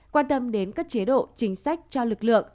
quan tâm đến các chế độ chính sách cho lực lượng